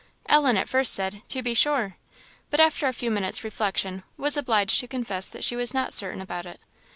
Ellen at first said, "to be sure," but after a few minutes' reflection, was obliged to confess that she was not certain about it.